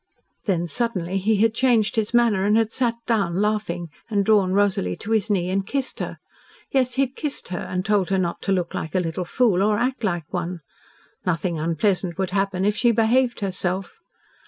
Then, suddenly, he had changed his manner and had sat down, laughing, and drawn Rosalie to his knee and kissed her yes, he had kissed her and told her not to look like a little fool or act like one. Nothing unpleasant would happen if she behaved herself.